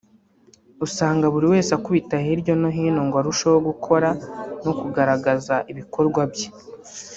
usanga buri wese akubita hirya no hino ngo arusheho gukora no kugaragaraza ibikorwa bye